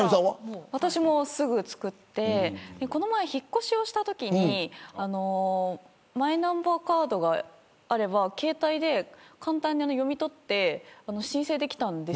私もすぐに作ってこの前、引っ越しをしたときにマイナンバーカードがあれば携帯で簡単に読み取って申請できたんです。